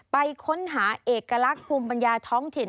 ไปค้นหาเอกลักษณ์ภูมิปัญญาท้องถิ่น